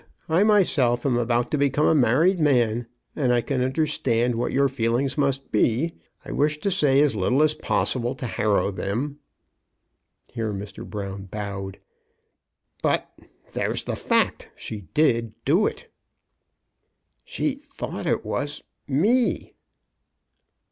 I myself am about to become a married man, and I can understand what your feelings must be. I wish to say as little as possible to harrow them." Here Mr. Brown bowed. *' But — there's the fact. She did do it.*' *' She thought it was — me